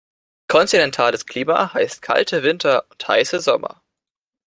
Kontinentales Klima heißt kalte Winter und heiße Sommer.